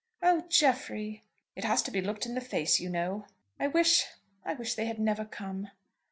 "Oh, Jeffrey!" "It has to be looked in the face, you know." "I wish, I wish they had never come."